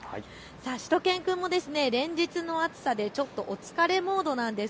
しゅと犬くんも連日の暑さでちょっとお疲れモードなんです。